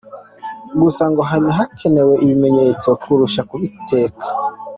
Gusa ngo hari hakenewe ibimenyetso kurusha kubikeka.